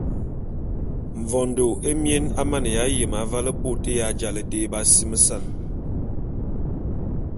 Mvondo émien a maneya yem avale ane bôt ya ja dé b’asimesan.